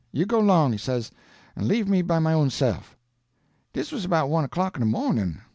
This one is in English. You go 'long,' he says, 'an' leave me by my own se'f.' "Dis was 'bout one o'clock in de mawnin'.